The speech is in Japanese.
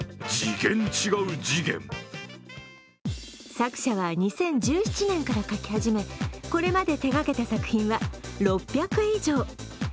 作者は、２０１７年から描き始めこれまで手がけた作品は６００以上。